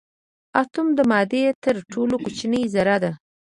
اتوم د مادې تر ټولو کوچنۍ ذره ده.